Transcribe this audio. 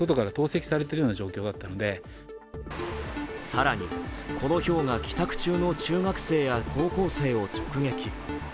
更に、このひょうが帰宅中の中学生や高校生を直撃。